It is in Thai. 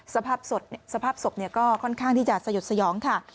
สภาพศพก็ค่อนข้างที่จะสยดสยองค่ะ